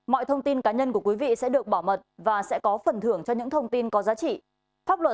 mọi thông tin cá nhân của quý vị sẽ được bảo mật và sẽ có phần thưởng cho những thông tin có giá trị